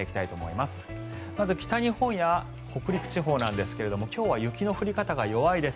まず北日本や北陸地方なんですが今日は雪の降り方が弱いです。